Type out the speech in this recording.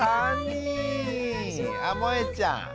あもえちゃん。